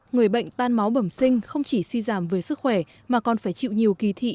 người bệnh tan máu bẩm sinh không chỉ suy giảm về sức khỏe mà còn phải chịu nhiều kỳ thị